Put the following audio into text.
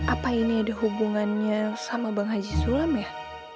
apa ini ada hubungannya sama bang haji sulam ya